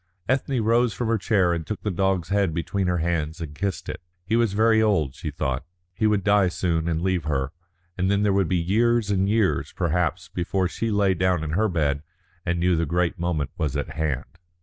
Ethne rose from her chair and took the dog's head between her hands and kissed it. He was very old, she thought; he would die soon and leave her, and then there would be years and years, perhaps, before she lay down in her bed and knew the great moment was at hand.